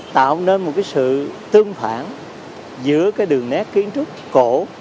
tạo nên một sự tương phản giữa đường nét kiến trúc cổ